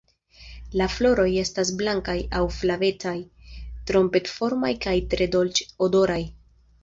La floroj estas blankaj aŭ flavecaj, trompet-formaj kaj tre dolĉ-odoraj.